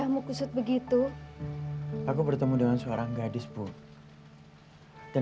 sampai jumpa di video selanjutnya